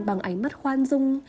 bằng ánh mắt khoan dung